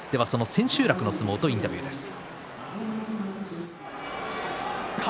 千秋楽の相撲とインタビューです。